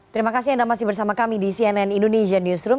terima kasih anda masih bersama kami di cnn indonesian newsroom